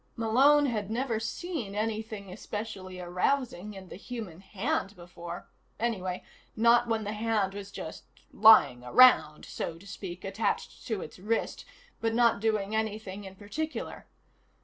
Malone had never seen anything especially arousing in the human hand before anyway, not when the hand was just lying around, so to speak, attached to its wrist but not doing anything in particular.